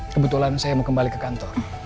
kebetulan saya mau kembali ke kantor